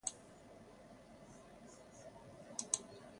এসব গণপরিবহনের আসন, ছাদ ও পাটাতন অত্যন্ত কি?